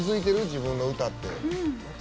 自分の歌って。